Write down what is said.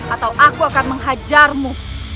atau aku akan menghajarmu